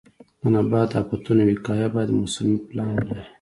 د نبات د آفتونو وقایه باید موسمي پلان ولري.